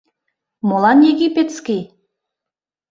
— Молан египетский?